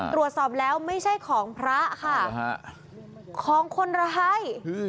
ตรวจสอบแล้วไม่ใช่ของพระค่ะของคนร้าย